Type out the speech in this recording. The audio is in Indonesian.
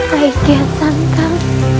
rai kian santam